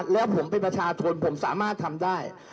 แล้วผมเป็นประชาชนผมสามารถทำได้